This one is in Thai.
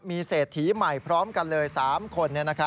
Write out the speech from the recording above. มีเศรษฐีใหม่พร้อมกันเลย๓คน